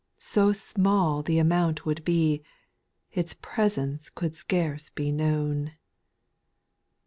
So small the amount would be, Its presence could scarce be known.